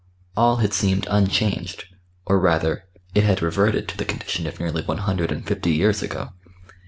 All had seemed unchanged or rather it had reverted to the condition of nearly one hundred and fifty years ago.